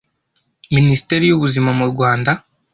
Minisiteri y'ubuzima mu Rwanda